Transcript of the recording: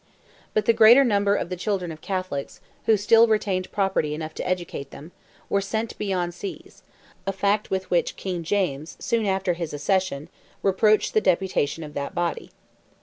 But the greater number of the children of Catholics, who still retained property enough to educate them, were sent beyond seas, a fact with which King James, soon after his accession, reproached the deputation of that body.